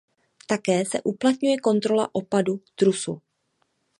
Také se uplatňuje kontrola opadu trusu.